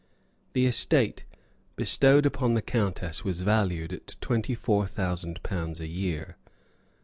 The estate bestowed on the countess was valued at twenty four thousand pounds a year.